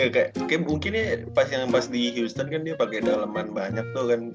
kayaknya mungkin ya pas di houston kan dia pake daleman banyak tuh kan